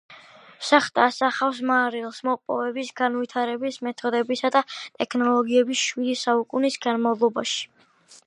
შახტა ასახავს მარილის მოპოვების განვითარების მეთოდებსა და ტექნოლოგიებს შვიდი საუკუნის განმავლობაში.